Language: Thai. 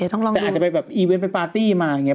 แต่อาจจะไปแบบอีเวนต์เป็นปาร์ตี้มา